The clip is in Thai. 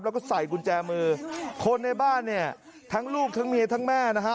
แล้วก็ใส่กุญแจมือคนในบ้านเนี่ยทั้งลูกทั้งเมียทั้งแม่นะฮะ